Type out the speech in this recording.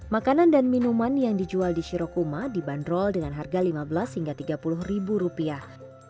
makanan dan minuman yang dijual di shirokuma dibanderol dengan harga lima belas hingga tiga puluh ribu rupiah